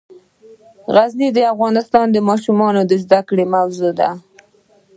غزني د افغان ماشومانو د زده کړې موضوع ده.